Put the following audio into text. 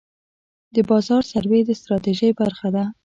د بازار سروې د ستراتیژۍ برخه ده.